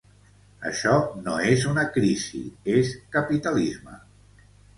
Això no és una crisi, és capitalisme